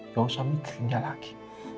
gak usah mikirin dia lagi